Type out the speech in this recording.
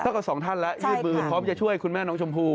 กับสองท่านแล้วยื่นมือพร้อมจะช่วยคุณแม่น้องชมพู่